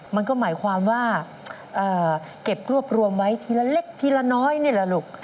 มันก็หมายความว่าเก็บรวบรวมไว้ทีละเล็กทีละน้อยนี่แหละลูก